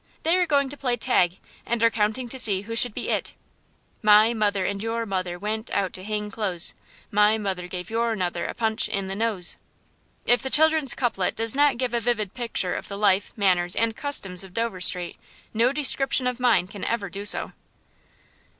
They are going to play tag, and are counting to see who should be "it": "My mother and your mother went out to hang clothes; My mother gave your mother a punch in the nose." If the children's couplet does not give a vivid picture of the life, manners, and customs of Dover Street, no description of mine can ever do so.